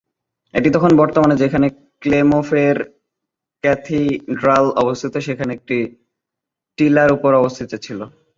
এটি তখন বর্তমানে যেখানে ক্লের্মোঁ-ফেরঁ ক্যাথিড্রাল অবস্থিত সেখানে একটি টিলার উপর অবস্থিত ছিল।